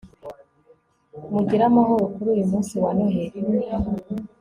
mugire amahoro kuri uyu munsi wa noheri